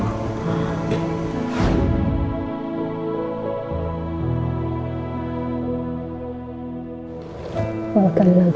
kenapa yah mbak